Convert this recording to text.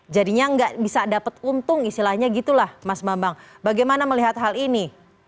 jadi mas mambang bagaimana melihat hal ini